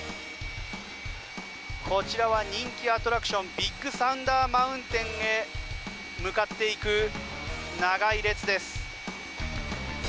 こちらは人気アトラクションビッグサンダー・マウンテンへ向かっていく長い列です。